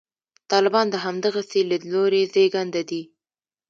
طالبان د همدغسې لیدلوري زېږنده دي.